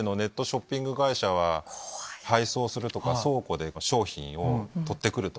ショッピング会社は配送するとか倉庫で商品を取って来るとか。